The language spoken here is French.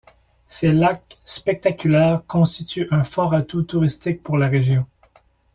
Ces lacs spectaculaires constituent un fort atout touristique pour la région.